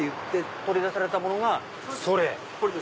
取り出されたものがそれ。